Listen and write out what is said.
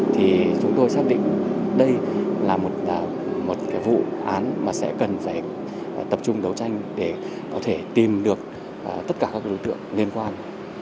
thì chúng tôi xác định đây là một vụ án mà sẽ cần phải tập trung đấu tranh để có thể tìm được tất cả các đối tượng liên quan